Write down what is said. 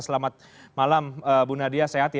selamat malam bu nadia sehat